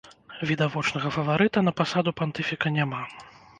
Відавочнага фаварыта на пасаду пантыфіка няма.